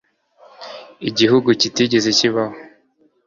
Igihugu kitigeze kibaho -